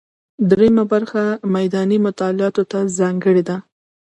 درېیمه برخه میداني مطالعاتو ته ځانګړې ده.